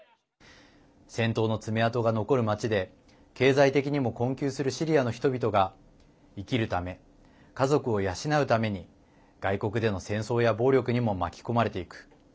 戦闘の爪痕が残る町で経済的にも困窮するシリアの人々が生きるため、家族を養うために外国での戦争や暴力にも巻き込まれていく。